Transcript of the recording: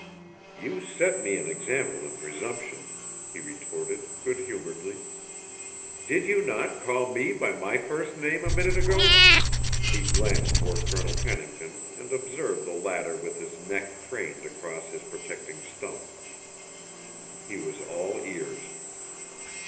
"You set me an example in presumption," he retorted good humouredly. "Did you not call ME by MY first name a minute ago?" He glanced toward Colonel Pennington and observed the latter with his neck craned across his protecting stump. He was all ears.